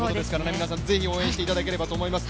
皆さん、ぜひ応援していただければと思います。